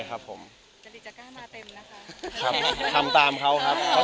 จะได้จะกล้ามาเต็มรึนะคะ